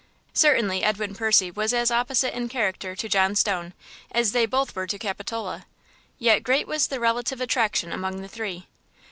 Certainly Edwin Percy was as opposite in character to John Stone, as they both were to Capitola, yet great was the relative attraction among the three.